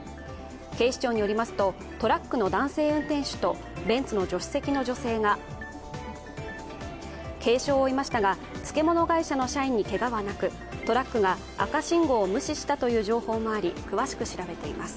警視庁によりますとトラックの男性運転手とベンツの助手席の女性が軽傷を負いましたが、漬物会社の社員にけがはなくトラックが赤信号を無視したという情報もあり詳しく調べています。